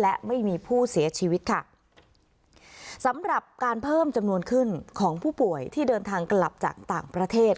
และไม่มีผู้เสียชีวิตค่ะสำหรับการเพิ่มจำนวนขึ้นของผู้ป่วยที่เดินทางกลับจากต่างประเทศ